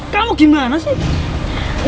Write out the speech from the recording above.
kamu gimana sih